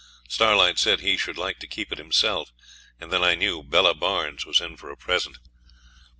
Starlight said he should like to keep it himself, and then I knew Bella Barnes was in for a present.